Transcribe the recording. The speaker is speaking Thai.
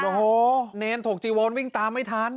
โอ้โหเนรถกจีวอนวิ่งตามไม่ทัน